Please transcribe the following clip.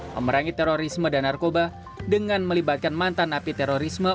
memerangi terorisme dan narkoba dengan melibatkan mantan api terorisme